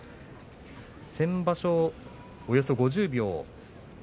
先場所、およそ５０秒。